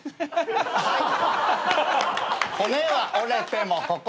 はい。